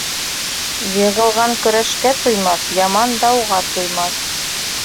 Йығылған көрәшкә туймаҫ, яман дауға туймаҫ.